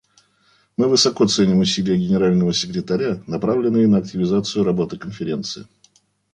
Мы высоко ценим усилия Генерального секретаря, направленные на активизацию работы Конференции.